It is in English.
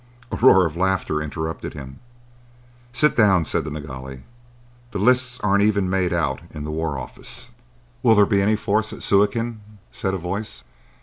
A roar of laughter interrupted him. "Sit down," said the Nilghai. "The lists aren't even made out in the War Office." "Will there be any force at Suakin?" said a voice.